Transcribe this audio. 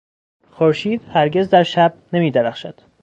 خورشید هرگز در شب نمیدرخشد.